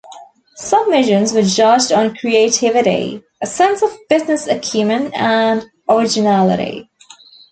Submissions were judged on creativity, a sense of business acumen and originality.